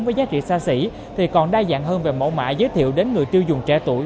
với giá trị xa xỉ thì còn đa dạng hơn về mẫu mã giới thiệu đến người tiêu dùng trẻ tuổi